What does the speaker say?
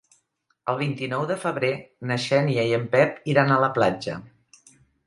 El vint-i-nou de febrer na Xènia i en Pep iran a la platja.